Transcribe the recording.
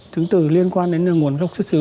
chứng từ liên quan đến nguồn gốc xuất xứ